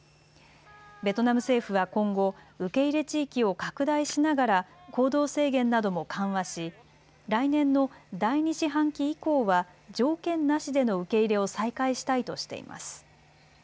ベトナム政府は今後、受け入れ地域を拡大しながら行動制限なども緩和し来年の第２四半期以降は条件なしでの受け入れを再開したいとしています。